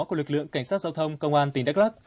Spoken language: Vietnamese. của lực lượng cảnh sát giao thông công an tỉnh đắk lắc